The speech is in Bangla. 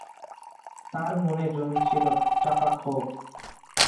তাঁর মনে জমে ছিল চাপা ক্ষোভ।